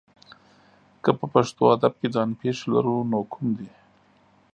که په پښتو ادب کې ځان پېښې لرو نو کوم دي؟